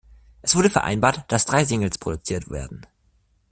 Es wurde vereinbart, dass drei Singles produziert werden.